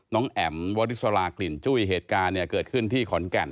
แอ๋มวริสรากลิ่นจุ้ยเหตุการณ์เนี่ยเกิดขึ้นที่ขอนแก่น